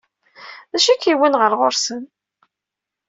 D acu i k-yewwin ɣer ɣur-sen?